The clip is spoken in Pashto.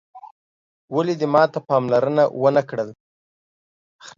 ولي دې ماته پاملرنه وه نه کړل